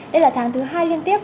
đây là tháng thứ hai liên tiếp